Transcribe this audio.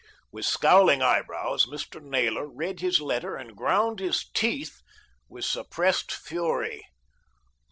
With scowling eyebrows Mr. Naylor read his letter, and ground his teeth with suppressed fury.